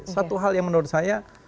satu hal yang menurut saya